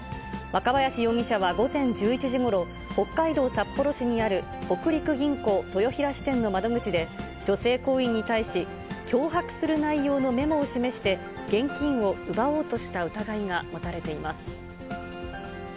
若林容疑者は午前１１時ごろ、北海道札幌市にある北陸銀行豊平支店の窓口で女性行員に対し、脅迫する内容のメモを示して、現金を奪おうとした疑いが持たれています。